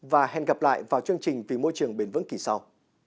và hẹn gặp lại vào chương trình vì môi trường bền vững kỳ sau